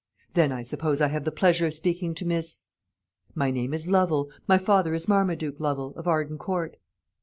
"Then I suppose I have the pleasure of speaking to Miss " "My name is Lovel My father is Marmaduke Lovel, of Arden Court."